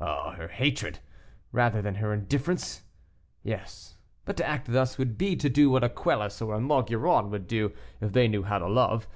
Oh, her hatred! Rather than her indifference. Yes, but to act thus would be to do what a Quelus or a Maugiron would do if they knew how to love.